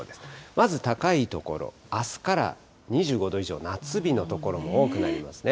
まず高い所、あすから２５度以上、夏日の所も多くなりますね。